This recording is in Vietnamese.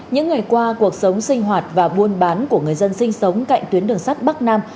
những ngày qua cuộc sống sinh hoạt và buôn bán của người dân sinh sống cạnh tuyến đường sắt bắc nam